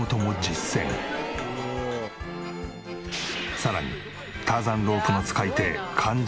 さらにターザンロープの使い手かんじ君は。